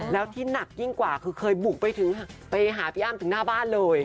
แล้วที่หนักยิ่งกว่าคือเคยบุกไปถึงไปหาพี่อ้ำถึงหน้าบ้านเลย